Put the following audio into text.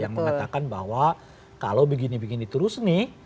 yang mengatakan bahwa kalau begini begini terus nih